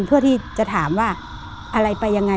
เพื่อที่จะถามว่าอะไรไปยังไง